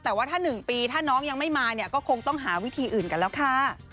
แต่ว่าถ้า๑ปีถ้าน้องยังไม่มาเนี่ยก็คงต้องหาวิธีอื่นกันแล้วค่ะ